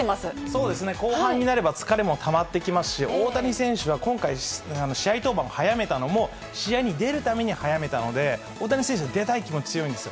そうですね、疲れもたまってきますし、大谷選手は今回、試合登板を早めたのも、試合に出るために早めたので、大谷選手、出たいという気持ちが強いんです。